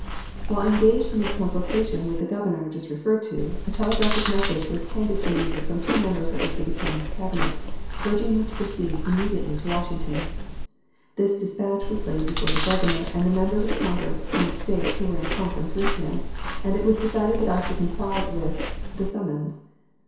While engaged in the consultation with the Governor just referred to, a telegraphic message was handed to me from two members of Mr. Buchanan's Cabinet, urging me to proceed "immediately" to Washington. This dispatch was laid before the Governor and the members of Congress from the State who were in conference with him, and it was decided that I should comply with, the summons